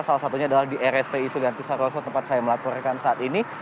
salah satunya adalah di rspi sulianti saroso tempat saya melaporkan saat ini